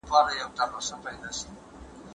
قادر په خپل مکتب کې تر ټولو ښې نمرې اخیستې وې.